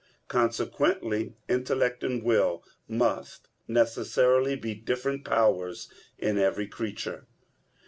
Consequently intellect and will must necessarily be different powers in every creature.